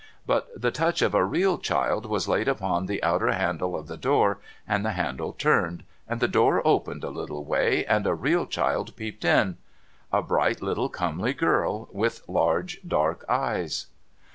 But tlie touch of a real child was laid upon the outer handle of the door, and the handle turned, and the door opened a little way, and a real child peeped in. A bright little comely girl with large dark eyes.